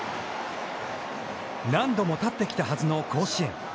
何度も立ってきたはずの甲子園。